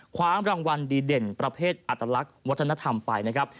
คว้ารางวัลดีเด่นประเภทอัตลักษณ์วัฒนธรรมไปนะครับ